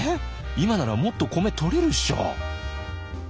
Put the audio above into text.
今ならもっと米とれるっしょ？